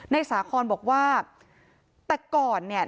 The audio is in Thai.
สาคอนบอกว่าแต่ก่อนเนี่ย